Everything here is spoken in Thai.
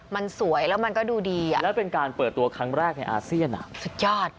มันสวยแล้วมันก็ดูดีอ่ะแล้วเป็นการเปิดตัวครั้งแรกในอาเซียนอ่ะสุดยอด